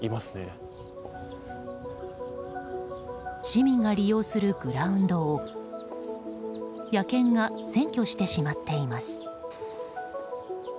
市民が利用するグラウンドを野犬が占拠してしまっています。